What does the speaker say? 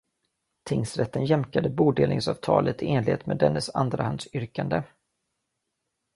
Tingsrätten jämkade bodelningsavtalet i enlighet med dennes andrahandsyrkande.